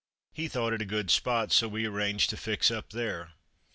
He thought it a good spot, so we arranged to fix up there.